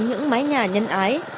những mái nhà nhân ái